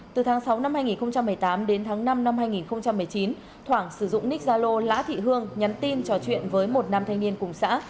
từ tháng sáu năm hai nghìn một mươi tám đến tháng năm năm hai nghìn một mươi chín thoảng sử dụng nick zalo lã thị hương nhắn tin trò chuyện với một nam thanh niên cùng xã